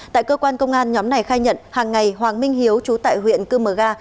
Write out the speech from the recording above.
tại cơ quan công an nhóm này khai nhận hàng ngày hoàng minh hiếu trú tại huyện cư mờ ga